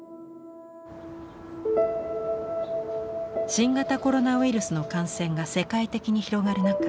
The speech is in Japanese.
新型コロナウイルスの感染が世界的に広がる中